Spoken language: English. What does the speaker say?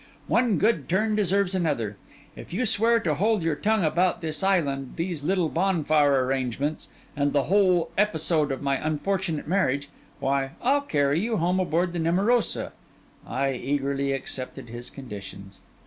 One good turn deserves another: if you swear to hold your tongue about this island, these little bonfire arrangements, and the whole episode of my unfortunate marriage, why, I'll carry you home aboard the Nemorosa.' I eagerly accepted his conditions.